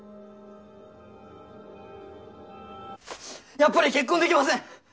やっぱり結婚できません！